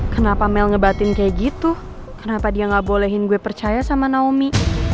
kenapa mel ngebatin kayak gitu kenapa dia nggak bolehin gue percaya sama naomi